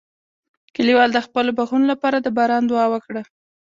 کلیوال د خپلو باغونو لپاره د باران دعا وکړه.